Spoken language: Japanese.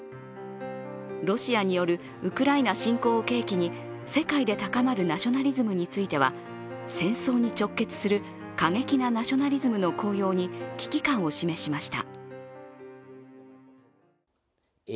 ロシアによるウクライナ侵攻を契機に世界で高まるナショナリズムについては戦争に直結する過激なナショナリズムの高揚に危機感を示しました。